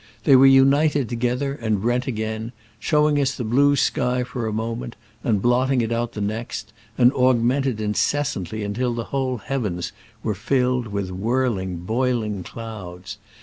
They were united together and rent again, showing us the blue sky for a moment, and blotting it out the next, and augmented incessant ly until the whole heavens were filled with whirling, boiling clouds.